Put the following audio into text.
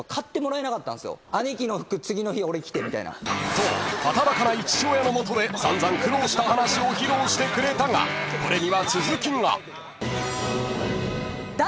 ［そう働かない父親の下で散々苦労した話を披露してくれたがこれには続きが］